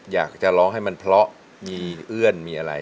อยากจะร้องให้มันเพราะมีเอื้อนมีอะไร